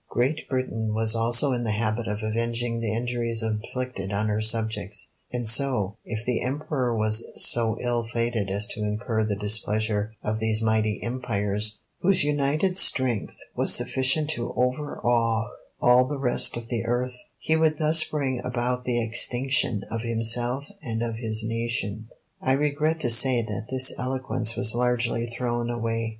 Great Britain was also in the habit of avenging the injuries inflicted on her subjects; and so, if the Emperor was so ill fated as to incur the displeasure of these mighty empires, whose united strength was sufficient to overawe all the rest of the earth, he would thus bring about the extinction of himself and of his nation. I regret to say that this eloquence was largely thrown away.